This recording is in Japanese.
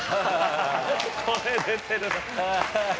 声出てるな。